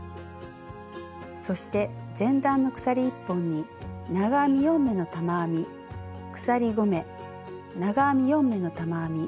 そして前段の鎖１本に長編み４目の玉編み鎖５目長編み